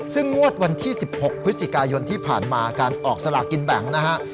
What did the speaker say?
ซึ่งงวดวันที่๑๖พยที่ผ่านมาการออกสลากินแบงก์นะฮะ